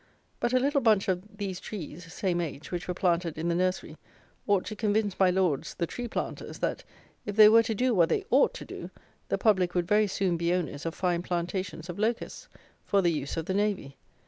But a little bunch of these trees (same age), which were planted in the nursery, ought to convince my lords, the tree planters, that, if they were to do what they ought to do, the public would very soon be owners of fine plantations of Locusts, for the use of the navy.